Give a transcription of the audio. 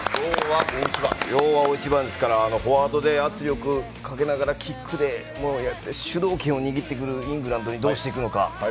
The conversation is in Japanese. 今日は大一番ですからフォワードで圧力をかけながらキックで主導権を握ってくるイングランドにどうしていくのか。